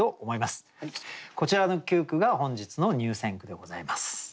こちらの９句が本日の入選句でございます。